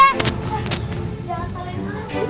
jangan salahin aku tuh